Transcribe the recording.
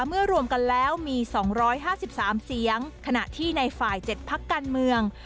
รวมกันแล้วมี๒๕๓เสียงขณะที่ในฝ่าย๗พักการเมือง